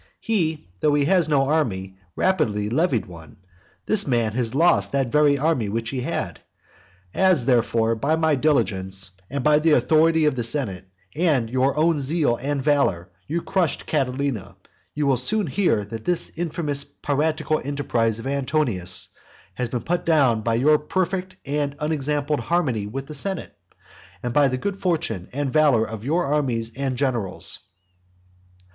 He, though he had no army, rapidly levied one. This man has lost that very army which he had. As, therefore, by my diligence, and the authority of the senate, and your own zeal and valour, you crushed Catilina, so you will very soon hear that this infamous piratical enterprise of Antonius has been put down by your own perfect and unexampled harmony with the senate, and by the good fortune and valour of your armies and generals.